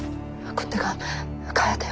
こっちへ。